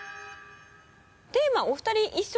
テーマお二人一緒